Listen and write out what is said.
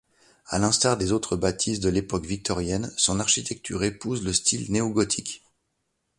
À l'instar des autres bâtisses de l'époque victorienne, son architecture épouse le style néogothique.